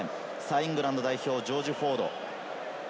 イングランド代表、ジョージ・フォード。